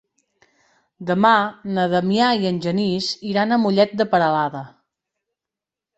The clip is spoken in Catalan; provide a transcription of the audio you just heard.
Demà na Damià i en Genís iran a Mollet de Peralada.